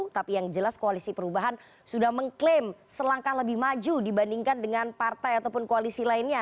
tapi yang jelas koalisi perubahan sudah mengklaim selangkah lebih maju dibandingkan dengan partai ataupun koalisi lainnya